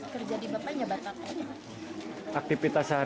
kerja terus dari pagi sampai sore